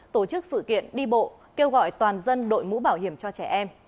tổ chức sự kiện đi bộ kêu gọi toàn dân đội mũ bảo hiểm cho trẻ em